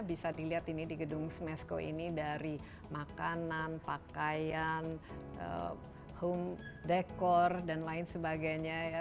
bisa dilihat ini di gedung smesco ini dari makanan pakaian home decor dan lain sebagainya ya